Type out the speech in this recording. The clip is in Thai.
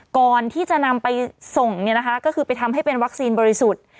ก่อนที่จะนำไปส่งเนี่ยนะคะก็คือไปทำให้เป็นวัคซีนบริสุทธิ์